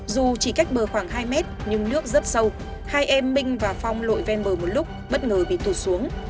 dù chỉ cách bờ khoảng hai mét nhưng nước rất sâu hai em minh và phong lội ven bờ một lúc bất ngờ bị tụt xuống